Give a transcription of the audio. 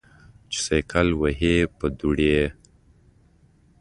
چې سایکل وهې په دوړې.